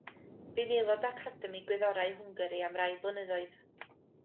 Bu'n aelod o Academi Gwyddorau Hwngari am rai blynyddoedd.